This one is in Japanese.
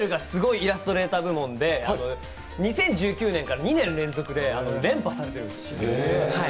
イラストレーター部門で２０１９年から２年連続で連覇されているんです。